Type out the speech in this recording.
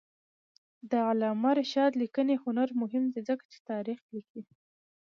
د علامه رشاد لیکنی هنر مهم دی ځکه چې تاریخ لیکي.